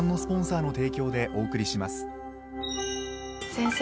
先生